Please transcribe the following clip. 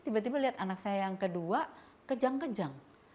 tiba tiba lihat anak saya yang kedua kejang kejang